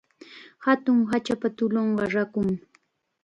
Hatun hachapa tullunqa rakum.